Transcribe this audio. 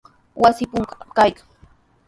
Wasi punkutraw kaykan.